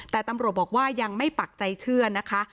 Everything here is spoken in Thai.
แต่ตำรวจบอกว่ายังไม่ปักใจเชื่อนะคะ